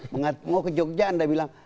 mau ke jogja anda bilang